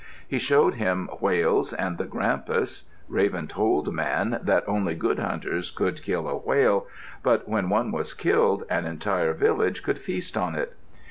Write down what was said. He showed him whales and the grampus. Raven told Man that only good hunters could kill a whale, but when one was killed an entire village could feast on it.